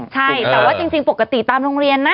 ใช่แต่ว่าจริงปกติตามโรงเรียนนะ